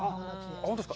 本当ですか。